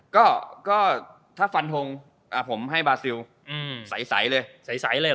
ก็ก็ถ้าฟันโทงอ่ะผมให้บราซิลอืมใสเลยใสเลยเหรอ